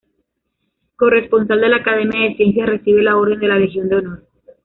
Corresponsal de la Academia de Ciencias, recibe la orden de la Legión de Honor.